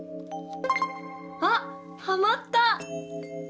あっはまった！